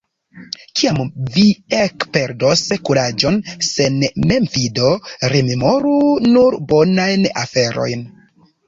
Kiam vi ekperdos kuraĝon sen memfido, rememoru nur bonajn aferojn.